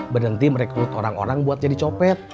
berhenti merekrut orang orang buat jadi copet